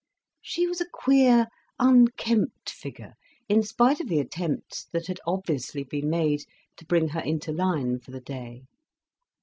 She was a queer unkempt figure, in spite of the attempts that had obviously been made to bring her into line for the day.